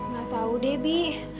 gak tau deh bi